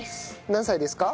何歳ですか？